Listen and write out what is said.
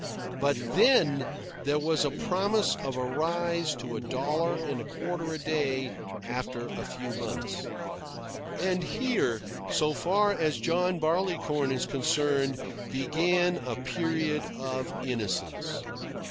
But, then, there was a promise of a rise to a dollar and a quarter a day after a few months. And here, so far as John Barleycorn is concerned, began a period of innocence.